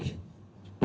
dengan yang saya tahu